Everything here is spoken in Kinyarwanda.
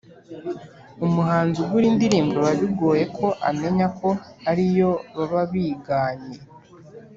umuhanzi ugura indirimbo biba bigoye ko amenya ko ari iyo baba biganye,